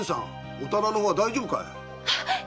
お店の方は大丈夫かい？